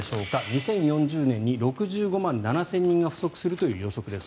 ２０４０年に６５万７０００人が不足するという予測です。